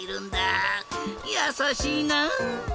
やさしいな！